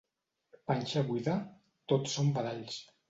Panxa buida, tot són badalls.